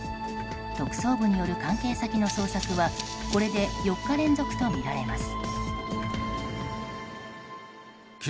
特捜部による関係先の捜索はこれで４日連続とみられます。